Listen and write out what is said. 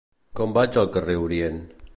Com vaig al carrer Orient?